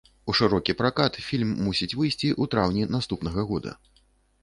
У шырокі пракат фільм мусіць выйсці ў траўні наступнага года.